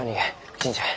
神社へ。